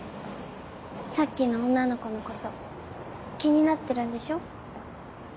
さっきの女の子のこと気になってるんでしょ？